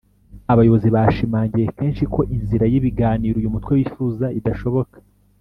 Abayobozi bashimangiye kenshi ko inzira y’ibiganiro uyu mutwe wifuza idashoboka